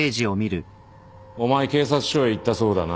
お前警察署へ行ったそうだな。